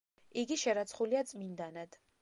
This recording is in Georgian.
იგი შერაცხულია წმინდანად.